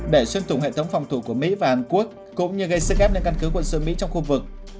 để xuyên tụng hệ thống phòng thủ của mỹ và hàn quốc cũng như gây sức ép lên căn cứ quân sự mỹ trong khu vực